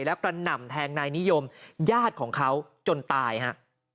แล้วกระหน่ำแทงนายนิยมญาติของเขาจนตายฮะ